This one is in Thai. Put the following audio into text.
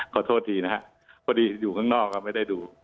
ขอโทษทีนะครับพอดีอยู่ข้างนอกก็ไม่ได้ดู